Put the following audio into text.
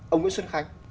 ông nguyễn xuân khánh